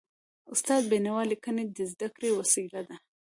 استاد د بينوا ليکني د زده کړي وسیله ده.